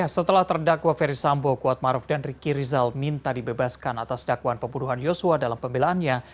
setelah terdakwa ferry sambo kuatmaruf dan riki rizal minta dibebaskan atas dakwaan pembunuhan yosua dalam pembelaannya